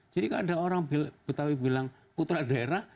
jadi kalau ada orang betawi bilang putra daerah